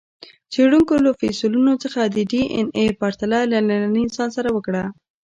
څېړونکو له فسیلونو څخه د ډياېناې پرتله له ننني انسان سره وکړه.